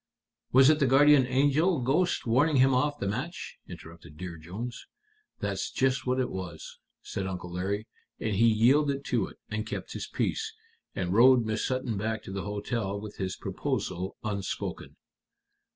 "Was it the guardian angel ghost warning him off the match?" interrupted Dear Jones. "That's just what it was," said Uncle Larry. "And he yielded to it, and kept his peace, and rowed Miss Sutton back to the hotel with his proposal unspoken."